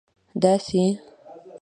داسي